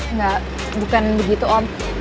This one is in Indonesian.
enggak bukan begitu om